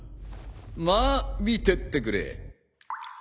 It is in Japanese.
まあ見てってくれ。